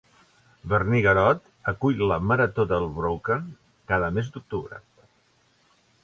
Wernigerode acull la marató del Brocken cada mes d'octubre.